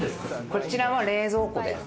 こちらは冷蔵庫です。